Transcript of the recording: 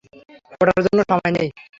ওটার জন্য সময় নেই।